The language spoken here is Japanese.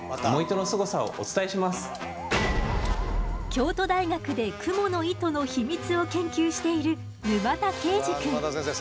京都大学でクモの糸の秘密を研究しているあ沼田先生